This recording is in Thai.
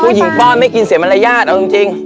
ผู้หญิงป้อนไม่กินเสียมารยาทเอาจริง